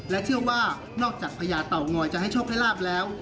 และเชื่อว่านอกจากพญาเต่างอยจะให้โชคให้ลาบแล้ว